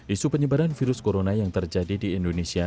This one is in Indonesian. isu penyebaran virus corona yang terjadi di indonesia